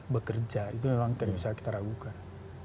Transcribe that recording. bekerja itu memang tidak bisa kita ragukan